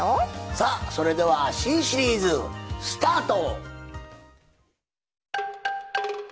さあそれでは新シリーズスタート！